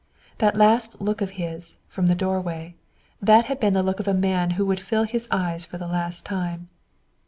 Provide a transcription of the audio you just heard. That last look of his, from the doorway that had been the look of a man who would fill his eyes for the last time.